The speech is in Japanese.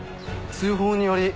通報により。